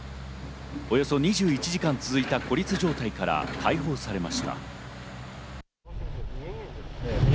およそ２１時間続いた孤立状態から解放されました。